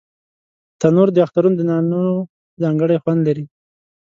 تنور د اخترونو د نانو ځانګړی خوند لري